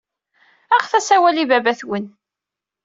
Aɣet-as awal i baba-twen.